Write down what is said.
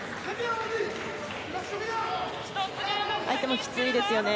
相手もきついですよね。